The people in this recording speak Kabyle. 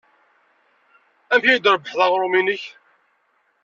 Amek ay d-trebbḥeḍ aɣrum-nnek?